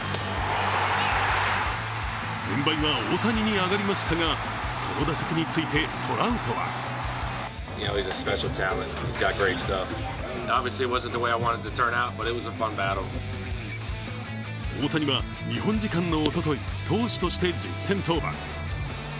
軍配は大谷に上がりましたが、この打席についてトラウトは大谷は日本時間のおととい、投手として実戦登板。